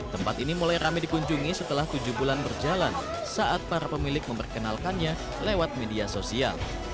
tempat ini mulai rame dikunjungi setelah tujuh bulan berjalan saat para pemilik memperkenalkannya lewat media sosial